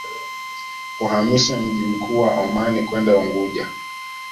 Kuhamisha mji mkuu wa Omani kwenda Unguja